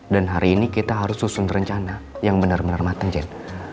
dan hari ini kita harus susun rencana yang benar benar matang jen